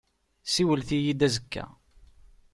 Siwlet-iyi-d azekka.